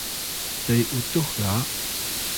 te utux ga